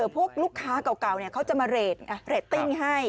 พวกลูกค้าเก่าเขาจะมาเรทไงเรตติ้งให้